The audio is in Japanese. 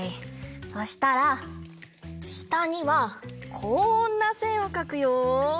そしたらしたにはこんなせんをかくよ！